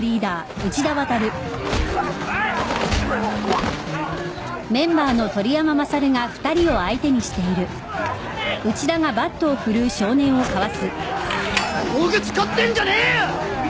道具使ってんじゃねえよ！